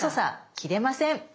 切れません。